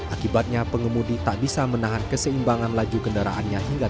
akibatnya pengemudi tak bisa menahan keseimbangan laju kendaraannya